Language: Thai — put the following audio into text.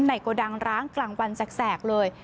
โกดังร้างกลางวันแสกเลย